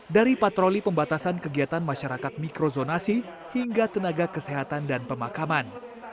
dari patroli pembatasan kegiatan masyarakat mikrozonasi hingga tenaga kesehatan dan pemakaman